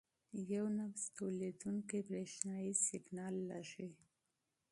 یو نبض تولیدوونکی برېښنايي سیګنال لېږي.